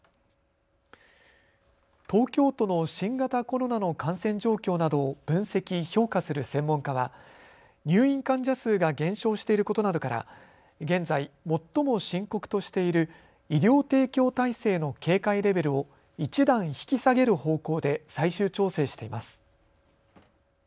東京都の新型コロナの感染状況などを分析・評価する専門家は入院患者数が減少していることなどから、現在最も深刻としている医療提供体制の警戒レベルを１段引き下げる方向で最終調整しています。